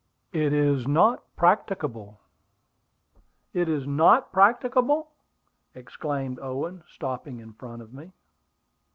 "It is not practicable " "It is not practicable!" exclaimed Owen, stopping in front of me.